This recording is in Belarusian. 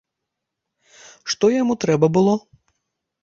Што яму трэба было?